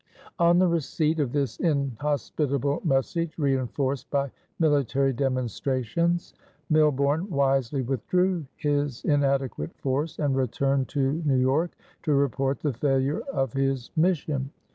'" On the receipt of this inhospitable message, reënforced by military demonstrations, Milborne wisely withdrew his inadequate force and returned to New York to report the failure of his mission.